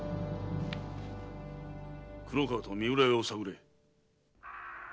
黒河と三浦屋を探れ。